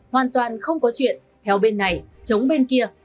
hoàn toàn không có chuyện theo bên này chống bên kia